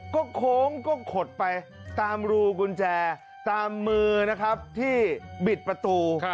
ก็โค้งก็ขดไปตามรูกุญแจตามมือนะครับที่บิดประตู